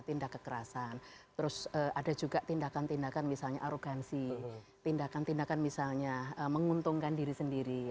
tindak kekerasan terus ada juga tindakan tindakan misalnya arogansi tindakan tindakan misalnya menguntungkan diri sendiri